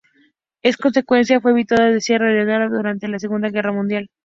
En consecuencia, fue enviado a Sierra Leona durante la Segunda Guerra Mundial.